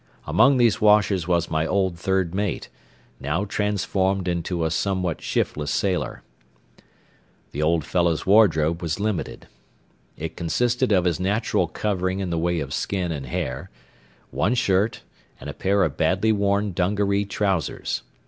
Among these washers was my old third mate, now transformed into a somewhat shiftless sailor. The old fellow's wardrobe was limited. It consisted of his natural covering in the way of skin and hair, one shirt, and a pair of badly worn dungaree trousers.